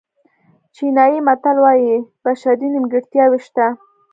چینایي متل وایي بشري نیمګړتیاوې شته.